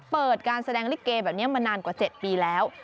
เปิดการแสดงลิเกแบบนี้มานานกว่า๗ปีแล้ว